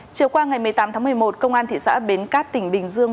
chiều qua ngày một mươi tám tháng một mươi một công an thị xã bến cát tỉnh bình dương